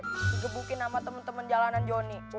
digebukin sama temen temen jalanan jonny